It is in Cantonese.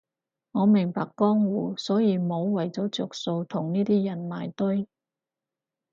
我明白江湖，所以唔好為咗着數同呢啲人埋堆